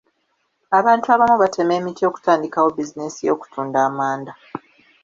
Abantu abamu batema emiti okutandikawo bizinensi y'okutunda amanda.